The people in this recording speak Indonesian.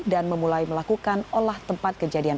dan memulai melakukan olah tempat kejadian